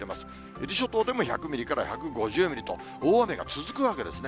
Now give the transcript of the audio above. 伊豆諸島でも１００ミリから１５０ミリと、大雨が続くわけですね。